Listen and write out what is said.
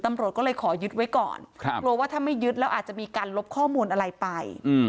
ตำรวจก็เลยขอยึดไว้ก่อนกลัวว่าถ้าไม่ยึดแล้วอาจจะมีการลบข้อมูลอะไรไป